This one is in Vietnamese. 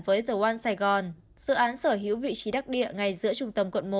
với the one saigon dự án sở hữu vị trí đắc địa ngay giữa trung tâm quận một